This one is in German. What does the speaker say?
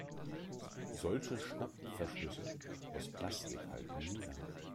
Solche Schnappverschlüsse aus Plastik halten nie lange.